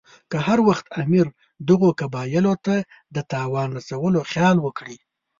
که هر وخت امیر دغو قبایلو ته د تاوان رسولو خیال وکړي.